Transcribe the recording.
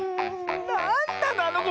なんなのあのこ！